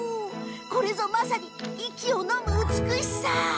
これぞまさに息をのむ美しさ。